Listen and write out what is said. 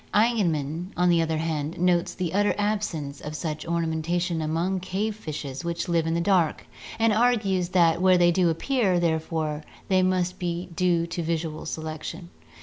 Eigenmann, on the other hand, notes the utter absence of such ornamentation among cave fishes which live in the dark, and argues that where they do appear, therefore, they must be due to visual selection.